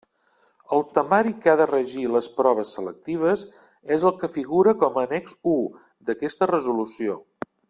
El temari que ha de regir les proves selectives és el que figura com a annex u d'aquesta resolució.